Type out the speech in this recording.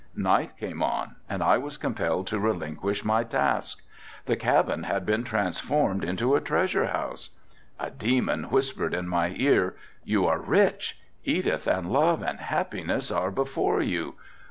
Night came on and I was compelled to relinquish my task. The cabin had been transformed into a treasure house. A demon whispered in my ear, "You are rich. Edith and love and happiness are before you.